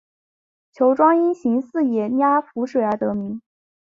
凫庄因形似野鸭浮水而得名。